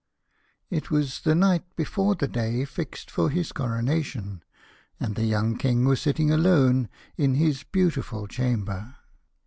I T was the night before the day fixed forhiscorona tion, and the young King was sitting alone in his beautiful chamber.